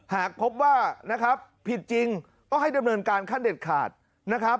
หากพบว่านะครับผิดจริงก็ให้ดำเนินการขั้นเด็ดขาดนะครับ